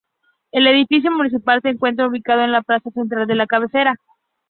El Edificio Municipal se encuentra ubicado en la Plaza Central de la cabecera.